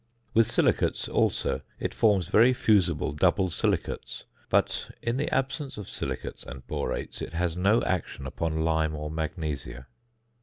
With silicates, also, it forms very fusible double silicates; but in the absence of silicates and borates it has no action upon lime or magnesia.